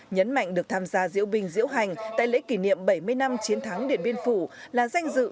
nhấn mạnh được tham gia diễu binh diễu hành tại lễ kỷ niệm bảy mươi năm chiến thắng điện biên phủ là danh dự